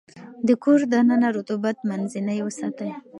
د کور دننه رطوبت منځنی وساتئ.